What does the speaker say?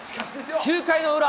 ９回の裏。